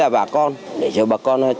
lực lượng công an rất gần dân an ninh tốt